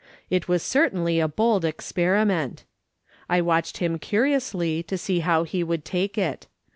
It was certainly a, bold experiment. I watched him curiously to see how he would take it.